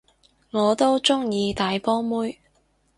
我都鍾意大波妹